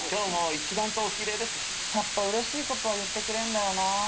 やっぱうれしいことは言ってくれんだよな。